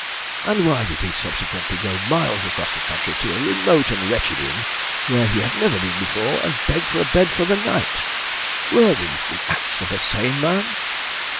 And why did he subsequently go miles across country to a remote and wretched inn, where he had never been before, and beg for a bed for the night? Were these the acts of a sane man?"